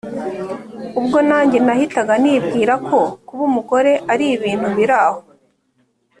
ubwo nanjye nahitaga nibwira ko kuba umugore ari ibintu biraho